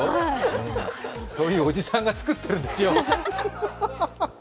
そういうおじさんが作っているんです。